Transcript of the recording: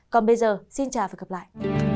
còn bây giờ xin chào và gặp lại